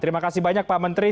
terima kasih banyak pak menteri